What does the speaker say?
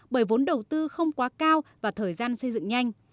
bởi vốn đầu tư không quá cao và thời gian xây dựng nhanh